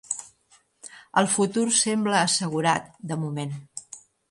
El futur sembla assegurat de moment.